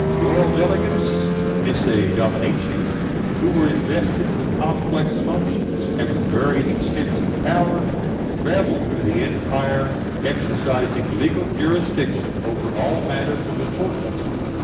Royal delegates (missi dominici), who were invested with complex functions, and with very extensive power, travelled through the empire exercising legal jurisdiction over all matters of importance.